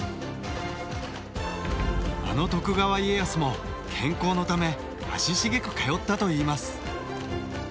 あの徳川家康も健康のため足しげく通ったといいます。